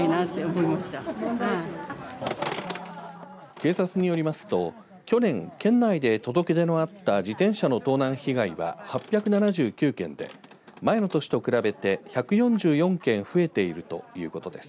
警察によりますと去年、県内で届け出のあった自転車の盗難被害は８７９件で前の年と比べて１４４件増えているということです。